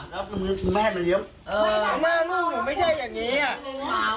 แล้วก็มีแม่มาเย็มเออหน้าลูกหนูไม่ใช่อย่างนี้อ่ะ